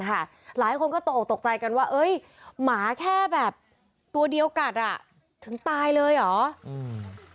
หลายคนก็ตกใจกันว่าหมาแค่แบบตัวเดียวกัดถึงตายเลยเหรอ